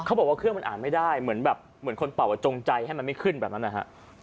เขาบอกว่าเครื่องมันอ่านไม่ได้เหมือนคนเป่าจงใจให้มันไม่ขึ้นแบบนั้นนะครับ